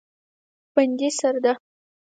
بندي سرده